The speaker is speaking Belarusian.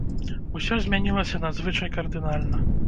Усё змянілася надзвычай кардынальна.